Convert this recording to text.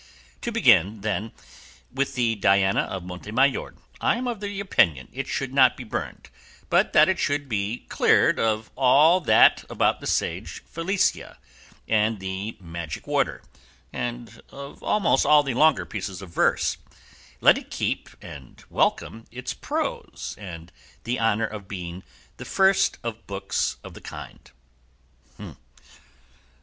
To begin, then, with the 'Diana' of Montemayor. I am of opinion it should not be burned, but that it should be cleared of all that about the sage Felicia and the magic water, and of almost all the longer pieces of verse: let it keep, and welcome, its prose and the honour of being the first of books of the kind."